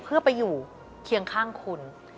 เพื่อไปอยู่เคียงข้างคุณ